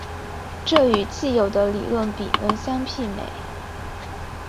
这与汽油的理论比能相媲美。